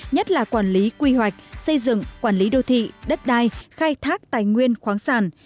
nhất là quản lý quy hoạch xây dựng quản lý đô thị đất đai khai thác tài nguyên khoáng sản